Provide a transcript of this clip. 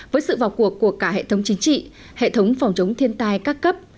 với sự vào cuộc của cả hệ thống chính trị hệ thống phòng chống thiên tai các cấp